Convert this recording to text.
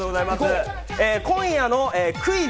今夜の『クイズ！